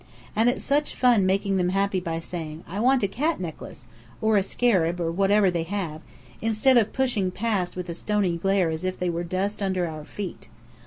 And it's such fun making them happy by saying "I want a cat necklace " or a scarab, or whatever they have, instead of pushing past with a stony glare as if they were dust under our feet.